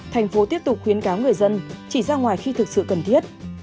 thành phố tiếp tục khuyến cáo người dân chỉ ra ngoài khi thực sự cần thiết